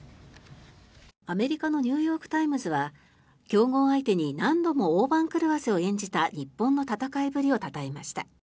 アメリカのニューヨーク・タイムズは強豪相手に何度も大番狂わせを演じた日本の戦いぶりをたたえました。